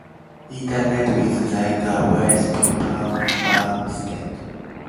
Internet is like a waste paper basket.